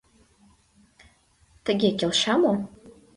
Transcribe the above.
— Тыге келша мо?